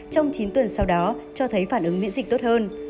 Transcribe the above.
trong chín tuần sau đó cho thấy phản ứng miễn dịch tốt hơn